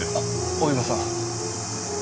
大岩さん。